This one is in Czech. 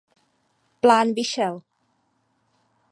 Plán vyšel.